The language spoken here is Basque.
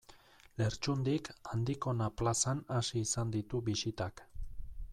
Lertxundik Andikona plazan hasi izan ditu bisitak.